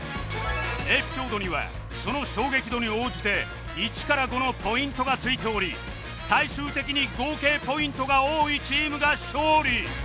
エピソードにはその衝撃度に応じて１から５のポイントがついており最終的に合計ポイントが多いチームが勝利